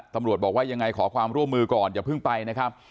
ตำรวจบอกว่ายังไงขอความร่วมมือก่อนอย่าเพิ่งไปนะครับ